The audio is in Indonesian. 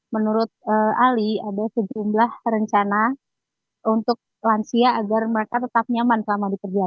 menurut ali ada sejumlah rencana untuk lansia agar mereka tetap nyaman selama dikerjakan